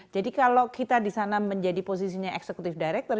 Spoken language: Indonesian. jadi kalau kita di sana menjadi posisinya executive director